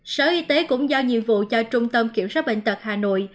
sở y tế cũng giao nhiệm vụ cho trung tâm kiểm soát bệnh tật hà nội